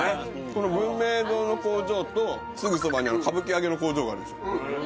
この文明堂の工場とすぐそばに歌舞伎揚の工場があるんですよ